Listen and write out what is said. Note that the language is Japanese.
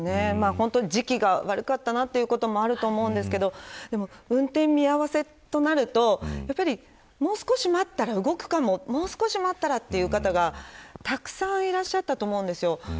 本当に時期が悪かったなということもあると思うんですが運転見合わせとなるとやっぱりもう少し待ったら動くかももう少し待ったら、という方がたくさんいらっしゃったと思うんですよ。